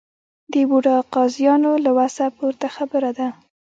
د بوډا قاضیانو له وسه پورته خبره ده.